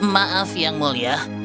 maaf yang mulia